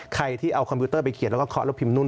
ใครที่เอาคอมพิวเตอร์ไปเขียนแล้วก็เคาะแล้วพิมพ์นุ่น